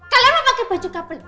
kalian mau pake baju couple